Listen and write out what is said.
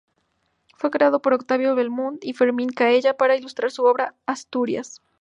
Fue creado por Octavio Bellmunt y Fermín Canella para ilustrar su obra "Asturias".